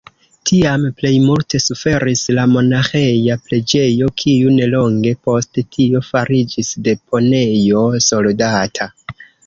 Tiam plejmulte suferis la monaĥeja preĝejo, kiu nelonge post tio fariĝis deponejo soldata.